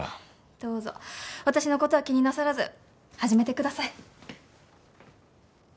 どうぞ私の事は気になさらず始めてください。